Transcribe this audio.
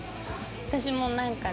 私もなんかね